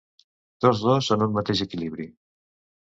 Tots dos en un mateix equilibri.